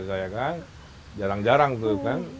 jarang jarang itu kan